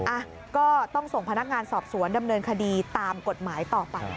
อ่ะก็ต้องส่งพนักงานสอบสวนดำเนินคดีตามกฎหมายต่อไป